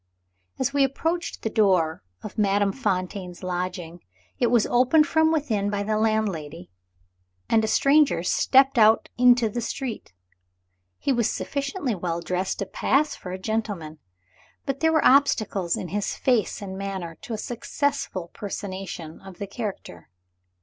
As we approached the door of Madame Fontaine's lodgings, it was opened from within by the landlady, and a stranger stepped out into the street. He was sufficiently well dressed to pass for a gentleman but there were obstacles in his face and manner to a successful personation of the character.